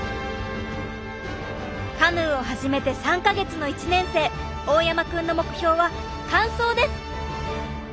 カヌーを始めて３か月の１年生大山くんの目標は完走です！